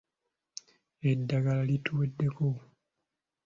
Eddagala lituweddeko.